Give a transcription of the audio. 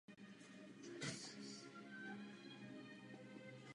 Neříkáte, odkud by měly přijít.